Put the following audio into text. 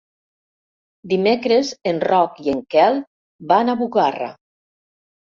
Dimecres en Roc i en Quel van a Bugarra.